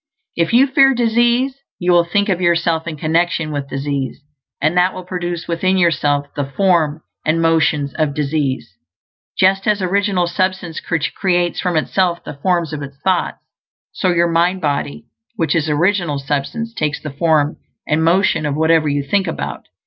If you fear disease, you will think of yourself in connection with disease; and that will produce within yourself the form and motions of disease. Just as Original Substance creates from itself the forms of its thoughts, so your mind body, which is original substance, takes the form and motion of whatever you think about.